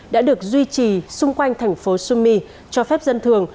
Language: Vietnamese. đã được duy trì xung quanh thành phố somi cho phép dân thường